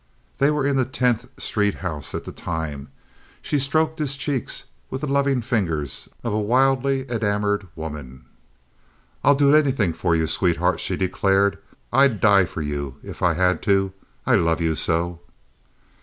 They were in the Tenth Street house at the time. She stroked his cheeks with the loving fingers of the wildly enamored woman. "I'll do anything for you, sweetheart," she declared. "I'd die for you if I had to. I love you so."